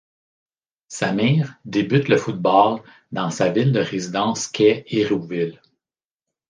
Samir débute le football dans sa ville de résidence qu'est Hérouville.